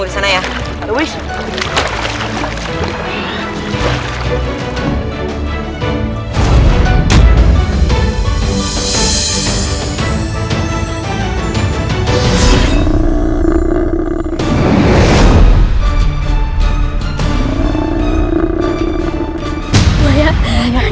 tidak ada yang bisa diberikan kebenaran